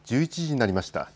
１１時になりました。